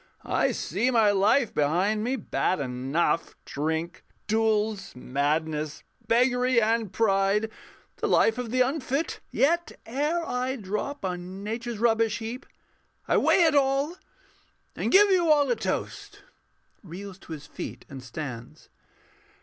_] I see my life behind me: bad enough Drink, duels, madness, beggary, and pride, The life of the unfit: yet ere I drop On Nature's rubbish heap, I weigh it all, And give you all a toast [_Reels to his feet and stands.